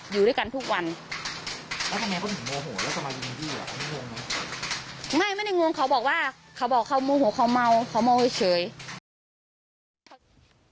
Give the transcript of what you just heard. ยังโทรมาขอโทษพี่